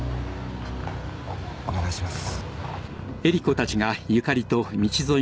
お願いします。